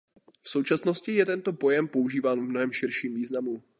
V současnosti je tento pojem používán v mnohem širším významu.